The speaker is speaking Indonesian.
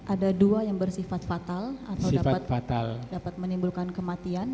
ada dua yang bersifat fatal atau dapat menimbulkan kematian